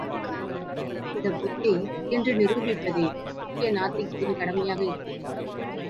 இந்தப் பொய்யை, பொய் என்று நிரூபிப்பதே இந்திய நாத்திகத்தின் கடமையாக இருந்தது.